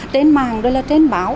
trên mạng trên báo